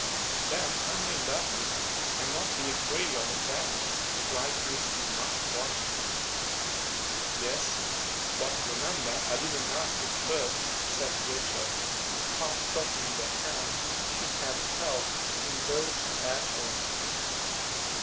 "Then I may love you, and not be afraid of offending?" cried Christie, much touched. "Yes. But remember I didn't ask it first," said Rachel, half dropping the hand she had held in both her own.